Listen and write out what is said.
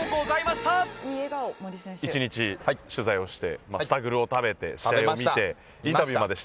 一日取材をしてスタグルを食べて試合を見てインタビューまでして頂きました。